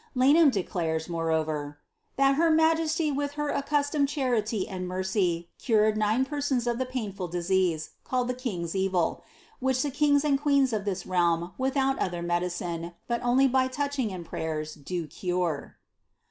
Laneham declares^ moreover, ^ that her majesty, with her accustomed charity and mercy, cued nine persons of the painful disease called the ^ king^s evil ;' which the kings and qaeens of this realm without other medicine, but only by touching and prayers, do cure.''